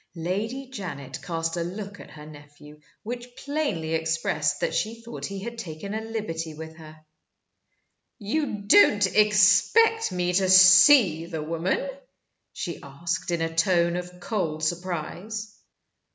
Lady Janet cast a look at her nephew which plainly expressed that she thought he had taken a liberty with her. "You don't expect me to see the woman?" she asked, in a tone of cold surprise.